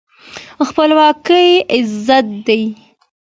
خپلواکي عزت دی.